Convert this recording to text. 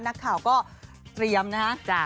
นักข่าวก็เตรียมนะฮะ